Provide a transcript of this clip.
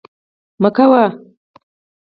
مه کوه